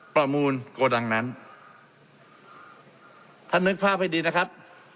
ประมูลโกดังนั้นท่านนึกภาพให้ดีนะครับ